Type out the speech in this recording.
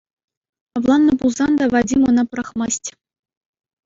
Авланнӑ пулсан та, Вадим ӑна пӑрахмасть.